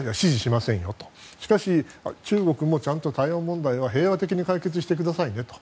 しかし中国もちゃんと台湾問題は平和的に解決してくださいねと。